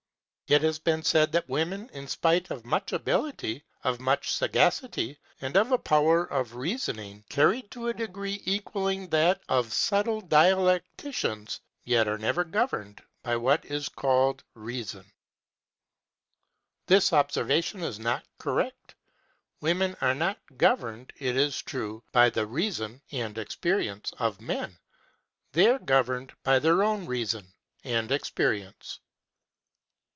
It has been said that women, in spite of much ability, of much sagacity, and of a power of reasoning carried to a degree equalling that of subtle dialecticians, yet are never governed by what is called âreason.â This observation is not correct. Women are not governed, it is true, by the reason (and experience) of men; they are governed by their own reason (and experience).